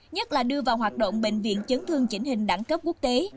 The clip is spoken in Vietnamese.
nhất là đưa vào hoạt động bệnh viện chấn thương chỉnh hình đẳng cấp quốc tế